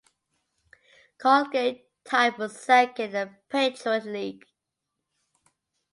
Colgate tied for second in the Patriot League.